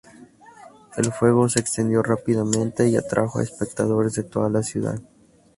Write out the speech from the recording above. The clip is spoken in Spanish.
El fuego se extendió rápidamente y atrajo a espectadores de toda la ciudad.